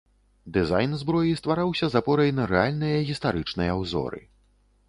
Дызайн зброі ствараўся з апорай на рэальныя гістарычныя ўзоры.